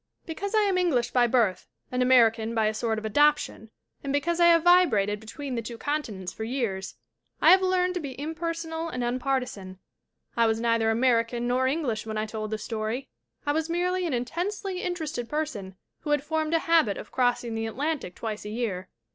"Because I am English by birth and American by a sort of adoption, and because I have vibrated be tween the two continents for years, I have learned to be impersonal and unpartisan. I was neither Amer FRANCES HODGSON BURNETT 365 ican nor English when I told the story. I was merely an intensely interested person who had formed a hah; of crossing the Atlantic twice a year.